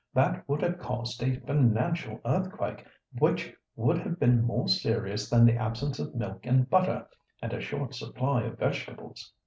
That would have caused a financial earthquake, which would have been more serious than the absence of milk and butter and a short supply of vegetables.